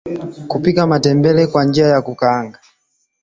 Kupika matembele kwa njia ya kukaanga